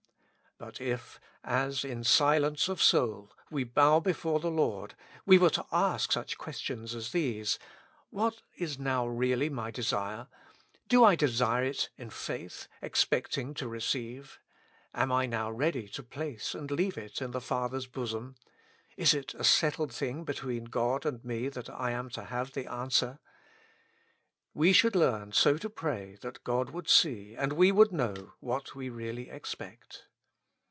But if, as in silence of soul we bow before the Lord, we were to ask such questions as these : What is now really my desire ? do I desire it in faith, expecting to receive ? am I now ready to place and leave it in the Father's bosom ? is it a settled thing between God and me that I am to have the answer ? we should learn so to pray that God would see and we would know what we really expect.